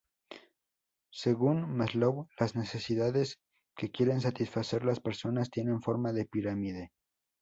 Según Maslow, las necesidades que quieren satisfacer las personas tiene forma de pirámide.